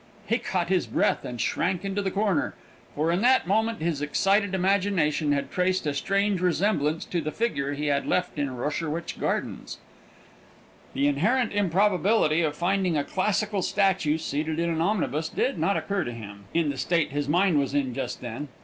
He caught his breath and shrank into the corner; for in that moment his excited imagination had traced a strange resemblance to the figure he had left in Rosherwich Gardens. The inherent improbability of finding a classical statue seated in an omnibus did not occur to him, in the state his mind was in just then.